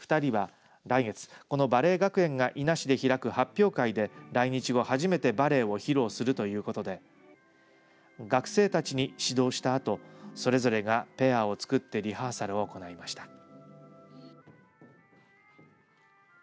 ２人は来月、このバレエ学園が伊那市で開く発表会で来日後初めてバレエを披露するということで学生たちに指導したあとそれぞれがペアを作ってリハーサルを行いました。